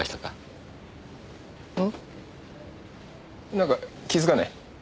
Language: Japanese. なんか気付かない？